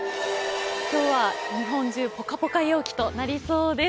今日は日本中ぽかぽか陽気となりそうです。